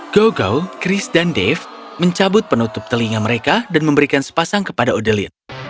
go go chris dan dave mencabut penutup telinga mereka dan memberikan sepasang kepada odeline